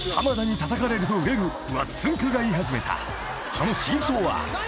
［その真相は？］